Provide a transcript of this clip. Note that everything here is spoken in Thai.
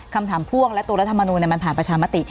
พ่วงและตัวรัฐมนูลมันผ่านประชามติ